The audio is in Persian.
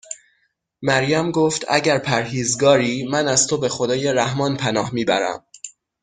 مریم گفت: اگر پرهیزگاری، من از تو به خدای رحمان پناه میبرم